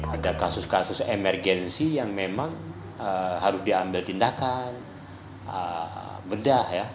ada kasus kasus emergensi yang memang harus diambil tindakan bedah ya